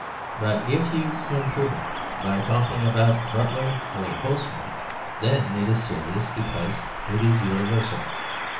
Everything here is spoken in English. But if you can prove it by talking about the butler or the postman, then it is serious, because it is universal.